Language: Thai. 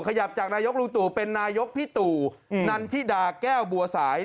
ขยับจากนายกลุงตู่เป็นนายกพี่ตู่นันทิดาแก้วบัวสาย